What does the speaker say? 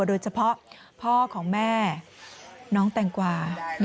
โดยเฉพาะพ่อของแม่น้องแตงกวา